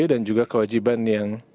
dan juga kewajiban yang